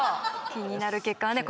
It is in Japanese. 気になる結果はね